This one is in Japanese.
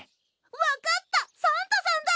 わかったサンタさんだ！